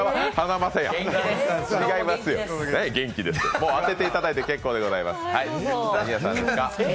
もう当てていただいて結構でございます。